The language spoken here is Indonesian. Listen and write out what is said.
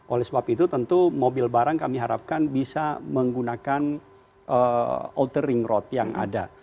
oleh sebab itu tentu mobil barang kami harapkan bisa menggunakan outering road yang ada